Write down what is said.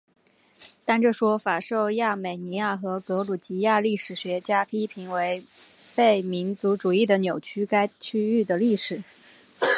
但这说法受亚美尼亚和格鲁吉亚历史学家批评为被民族主义的扭曲该区域的历史。